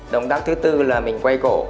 động tác thứ bốn là mình quay cổ